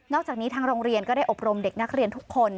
จากนี้ทางโรงเรียนก็ได้อบรมเด็กนักเรียนทุกคน